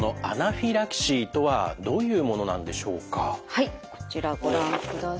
はいこちらご覧ください。